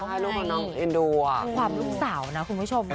และความลูกสาวนะคุณผู้ชม